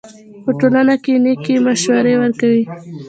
په ټولنه کښي نېکي مشورې ورکوئ!